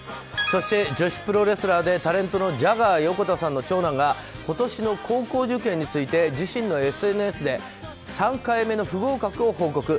そして、女子プロレスラーでタレントのジャガー横田さんの長男が今年の高校受験について自身のＳＮＳで３回目の不合格を報告。